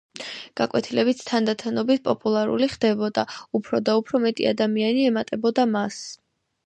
გაკვეთილებიც თანდათანობით პოპულარული ხდებოდა, უფრო და უფრო მეტი ადამიანი ემატებოდა მას.